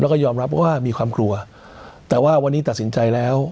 แล้วก็ยอมรับว่ามีความกลัวแต่ว่าวันนี้ตัดสินใจแล้ว